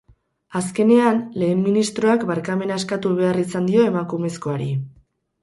Azkenean, lehen ministroak barkamena eskatu behar izan dio emakumezkoari.